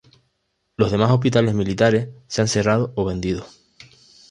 Los demás hospitales militares se han cerrado o vendido.